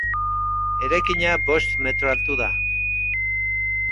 Eraikina bost metro altu da.